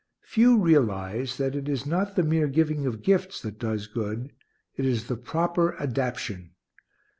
Few realize that it is not the mere giving of gifts that does good; it is the proper adaption.